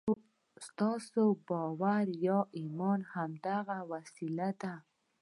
ستاسې باور یا ایمان هماغه وسیله ده